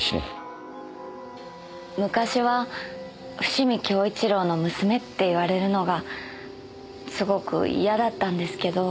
昔は伏見享一良の娘って言われるのがすごく嫌だったんですけど。